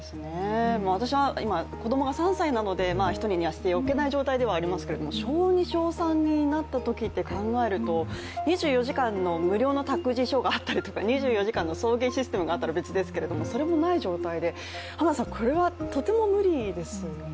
私は今、子供が３歳なので１人にはしておけない状態ではありますけれども小２、小３になったときって考えると、２４時間の無料の託児所があったりとか２４時間の送迎システムがあったら別ですけどそれもない状態で、これはとても無理ですよね。